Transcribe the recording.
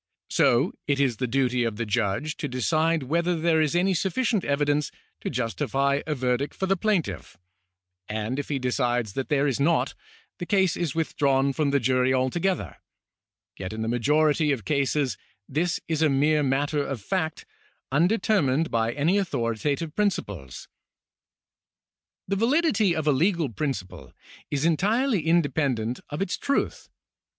So it is the duty of the judge to decide whether there is any sufficient evidence to justify a verdict for the plaintiff, and if he decides that there is not, the case is withdrawn from the jury altogether ; yet in the majority of cases this is a B 18 CIVIL LAW [§ 8 mere matter of fact, undetermined by any authoritative principles.^ The validity of a legal principle is entirely independent of its truth.